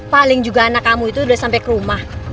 paling juga anak kamu itu udah sampai ke rumah